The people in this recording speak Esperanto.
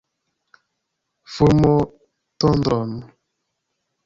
Fulmotondron!